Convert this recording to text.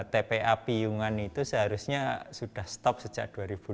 tpa piyungan itu seharusnya sudah stop sejak dua ribu dua puluh